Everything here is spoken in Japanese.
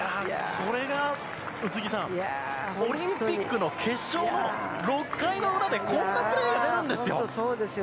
これが宇津木さんオリンピックの決勝の６回の裏でこんなプレーが出るんですよ！